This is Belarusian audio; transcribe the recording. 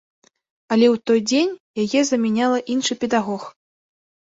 Але ў той дзень яе замяняла іншы педагог.